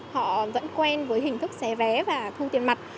họ vẫn quen với hình thức xé vé và thu tiền mặt